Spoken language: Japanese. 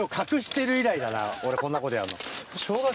俺こんなことやるの。